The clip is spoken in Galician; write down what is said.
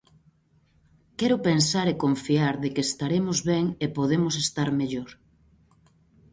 Quero pensar e confiar de que estaremos ben e podemos estar mellor.